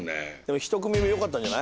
１組目よかったんじゃない？